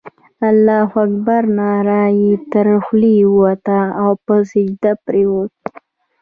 الله اکبر ناره یې تر خولې ووتله او پر سجده پرېوت.